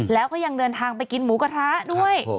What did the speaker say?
แล้วก็ยังเดินทางไปกินหมูกระทะด้วย